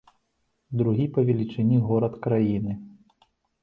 Другі па велічыні горад краіны.